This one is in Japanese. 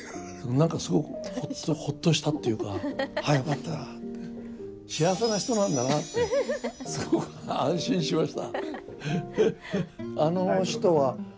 なんかすごくほっとしたっていうか、ああよかったって幸せな人なんだなってすごく安心しました。